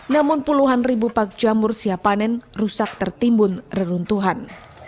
namun puluhan ribu pak jamur siap panen rusak tertimbun reruntuhan